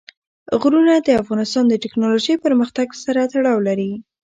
غرونه د افغانستان د تکنالوژۍ پرمختګ سره تړاو لري.